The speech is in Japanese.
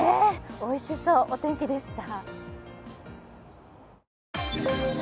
おいしそう、お天気でした。